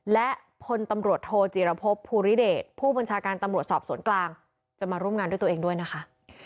และพลตำรวจโทจีรพบภูริเดชผู้บัญชาการตำรวจสอบสวนกลางจะมาร่วมงานด้วยตัวเองด้วยนะคะ